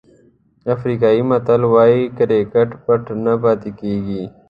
افریقایي متل وایي کرکټر پټ نه پاتې کېږي.